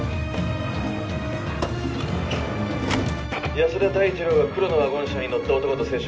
安田大二郎が黒のワゴン車に乗った男と接触。